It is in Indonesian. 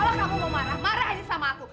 kalau kamu mau marah marah aja sama aku